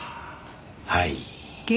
はい。